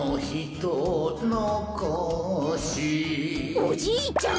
おじいちゃん